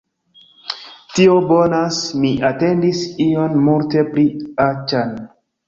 Tio bonas. Mi atendis ion multe pli aĉan